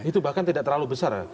itu bahkan tidak terlalu besar